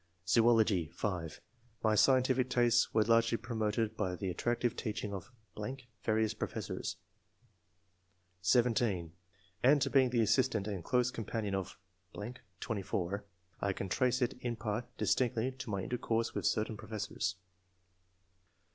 Zoology. — (5) My scientific tastes were largely promoted by the attractive teaching of .,.. [various professors]. (17) And to being the assistant and close companion of ,... (24) I can trace it [in part] distinctly to my intercourse with certain professors.